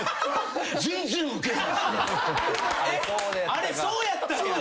あれそうやったんや。